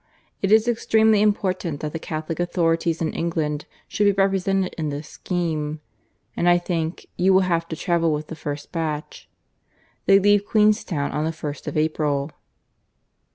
It is extremely important that the Catholic authorities in England should be represented in this scheme. And I think, you will have to travel with the first batch. They leave Queenstown on the first of April."